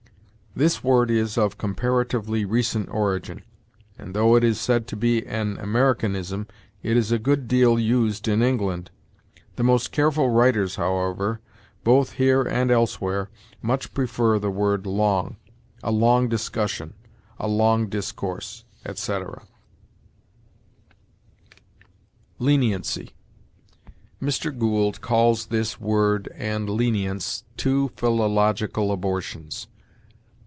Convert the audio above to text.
This word is of comparatively recent origin, and, though it is said to be an Americanism, it is a good deal used in England. The most careful writers, however, both here and elsewhere, much prefer the word long: "a long discussion," "a long discourse," etc. LENIENCY. Mr. Gould calls this word and lenience "two philological abortions."